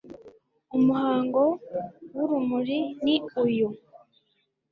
umuhango w'urumuri ni uyu